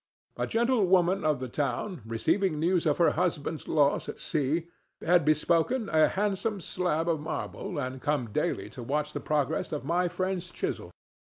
A gentlewoman of the town, receiving news of her husband's loss at sea, had bespoken a handsome slab of marble, and came daily to watch the progress of my friend's chisel.